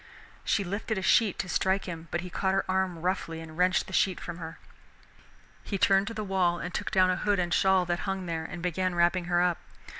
She lifted a sheet to strike him, but he caught her arm roughly and wrenched the sheet from her. He turned to the wall and took down a hood and shawl that hung there, and began wrapping her up.